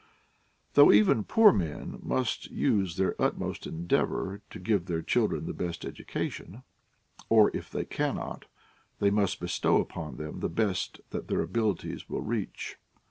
Though CYQU poor men must use their utmost endeavor to give their children the best education ; or, if they cannot, they must bestow upon them the best that their abilities will reach.